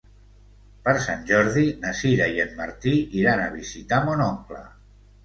Per Sant Jordi na Sira i en Martí iran a visitar mon oncle.